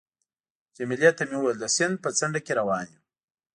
جميله ته مې وویل: د سیند په څنډه کې روان یو.